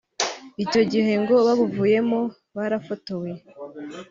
Icyo gihe ngo babuvuyemo barafotowe